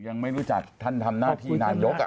ยังไม่รู้จักท่านทำหน้าที่นายก